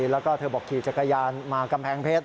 แล้วก็เธอบอกขี่จักรยานมากำแพงเพชร